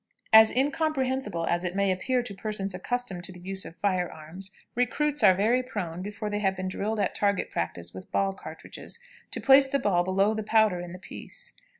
As incomprehensible as it may appear to persons accustomed to the use of fire arms, recruits are very prone, before they have been drilled at target practice with ball cartridges, to place the ball below the powder in the piece.